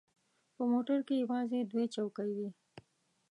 په موټر کې یوازې دوې چوکۍ وې.